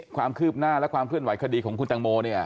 ความคืบหน้าและความเคลื่อนไหวคดีของคุณตังโมเนี่ย